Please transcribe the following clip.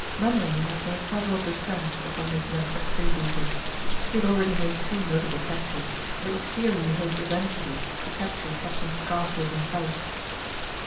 Mainwaring had made several descents upon this nest of freebooters. He had already made two notable captures, and it was here he hoped eventually to capture Captain Scarfield himself.